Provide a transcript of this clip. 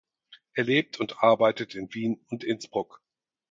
Er lebt und arbeitet in Wien und Innsbruck.